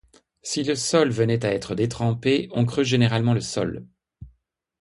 Si le sol venait à être détrempé, on creuse généralement le sol.